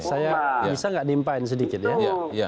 saya bisa tidak diimpain sedikit ya